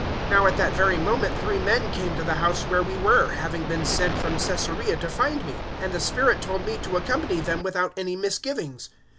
011:011 "Now at that very moment three men came to the house where we were, having been sent from Caesarea to find me. 011:012 And the Spirit told me to accompany them without any misgivings.